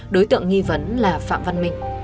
đối tượng nghi vấn là phạm văn minh